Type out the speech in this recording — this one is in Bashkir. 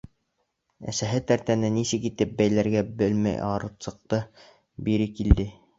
Әсәһе тәртәне нисек итеп бәйләргә белмәй ары сыҡты, бире килде.